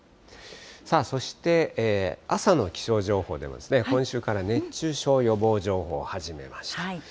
さあそして、朝の気象情報でも今週から熱中症予防情報始めました。